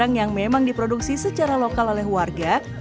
cadang yang memang diproduksi secara lokal oleh warga